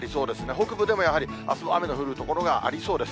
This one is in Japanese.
北部でもやはり、あす雨の降る所がありそうです。